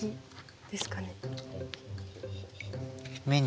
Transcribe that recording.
ですかね。